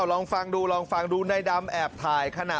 ลองฟังดูลองฟังดูในดำแอบถ่ายขณะ